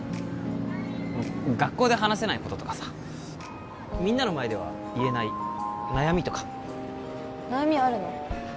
学校で話せないこととかさみんなの前では言えない悩みとか悩みあるの？